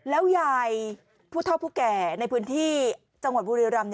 แล้วยายผู้เท่าผู้แก่ในพื้นที่จังหวัดบุรีรำ